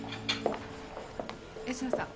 吉野さん。